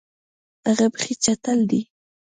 هغه بیخي چټل دی.